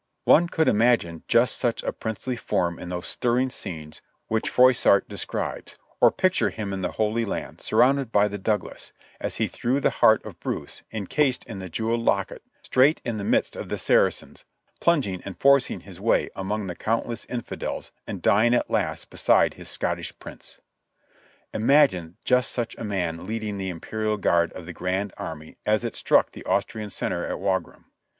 One could imagine just such a princely form in those stirring scenes which Froissart describes; or picture him in the Holy Land surrounded by the Douglas, as he threw the heart of Bruce, encased in the jeweled locket, straight in the midst of the Sara cens, plunging and forcing his way among the countless infidels and dying at last beside his Scottish Prince. Imagine just such a man leading the Imperial Guard of the Grand Army as it struck the Austrian center at Wagram.